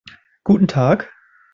Guten Tag.